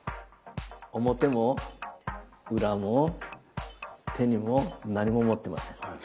表も裏も手にも何も持ってません。